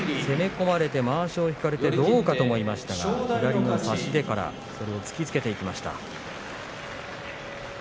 攻め込まれて、まわしを引かれてどうかと思いましたが左の差し手から突きつけていきました。